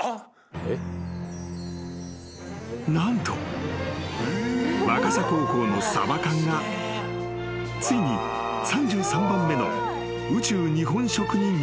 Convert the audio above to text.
［何と若狭高校のサバ缶がついに３３番目の宇宙日本食に認証されたのだ］